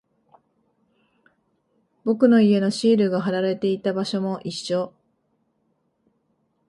僕の家のシールが貼られていた場所も一緒。